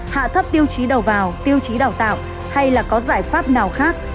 hạ thấp tiêu chí đầu vào tiêu chí đào tạo hay là có giải pháp nào khác